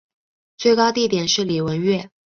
最高地点是礼文岳。